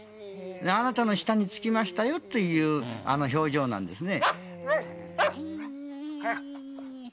あなたの下につきましたよという表情なんですね。